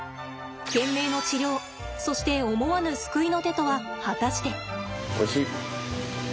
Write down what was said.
懸命の治療そして思わぬ救いの手とは果たして。